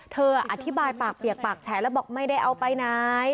อธิบายปากเปียกปากแฉแล้วบอกไม่ได้เอาไปไหน